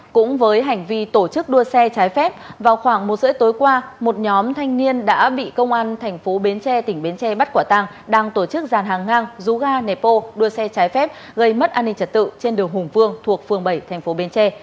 cũng với hành vi tổ chức đua xe trái phép vào khoảng một giờ tối qua một nhóm thanh niên đã bị công an tp bến tre tỉnh bến tre bắt quả tàng đang tổ chức giàn hàng ngang rú ga nẹp ô đua xe trái phép gây mất an ninh trật tự trên đường hùng vương thuộc phường bảy tp bến tre